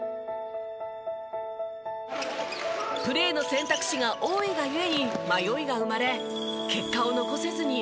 プレーの選択肢が多いが故に迷いが生まれ結果を残せずにいました。